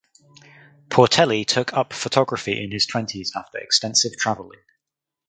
Portelli took up photography in his twenties after extensive travelling.